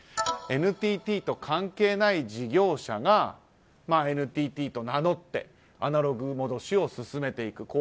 ＮＴＴと関係ない事業者がＮＴＴと名乗ってアナログ戻しを勧めていく。